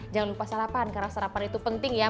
jangan lupa sarapan karena sarapan itu penting ya